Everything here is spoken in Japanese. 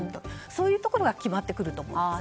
そういうところは決まってくると思います。